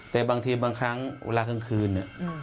แต่บางทีบางครั้งเวลากลางคืน